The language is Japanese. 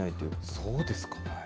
そうですか。